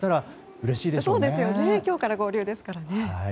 今日から合流ですからね。